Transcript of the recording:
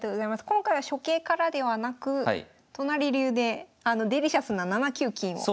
今回は初形からではなく都成流であのデリシャスな７九金を。